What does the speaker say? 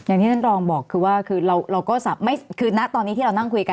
อย่างที่นั่นตรองบอกคือว่าคือนักตอนนี้ที่เรานั่งคุยกัน